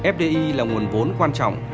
fdi là nguồn vốn quan trọng